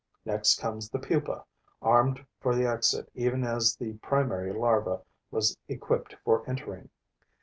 Next comes the pupa, armed for the exit even as the primary larva was equipped for entering.